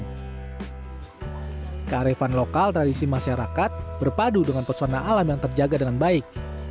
dan kearifan lokal tradisi masyarakat berpadu dengan persona alam yang terjaga dengan baik